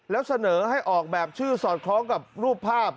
แล้วเสนอให้ออกแบบชื่อสอดคล้องกับรูปภาพ